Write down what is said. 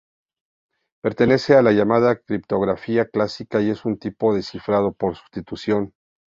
Pertenece a la llamada criptografía clásica y es un tipo de cifrado por sustitución.